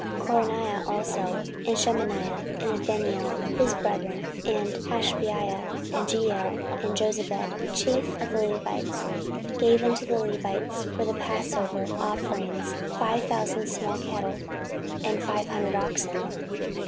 14:035:009 Conaniah also, and Shemaiah and Nethaneel, his brethren, and Hashabiah and Jeiel and Jozabad, chief of the Levites, gave unto the Levites for passover offerings five thousand small cattle, and five hundred oxen.